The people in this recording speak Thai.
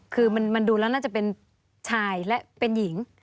คือมันดูแล้วน่าจะเป็นชายและเป็นหญิง